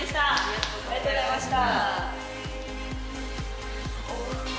はーいありがとうございました。